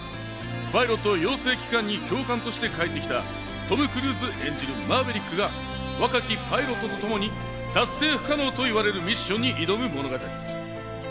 パイロット養成機関に教官として帰ってきたトム・クルーズ演じるマーヴェリックが若きパイロットとともに達成不可能といわれるミッションに挑む物語。